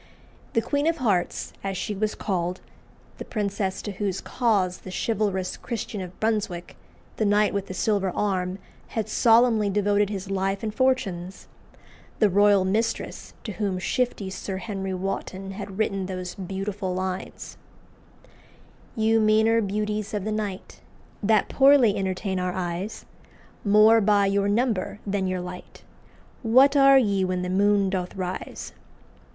The "Queen of Hearts," as she was called the princess to whose cause the chivalrous Christian of Brunswick, the knight with the silver arm, had solemnly devoted his life and fortunes the "royal mistress" to whom shifty Sir Henry Wotton had written those beautiful lines "You meaner beauties of the night, That poorly entertain our eyes More by your number than your light, What are ye when the moon doth rise?"